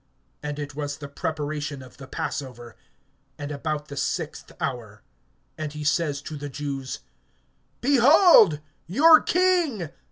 (14)And it was the preparation of the passover, and about the sixth hour. And he says to the Jews: Behold your king!